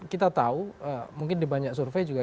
kita tahu mungkin di banyak survei juga